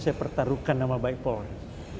saya pertaruhkan sama baik polisi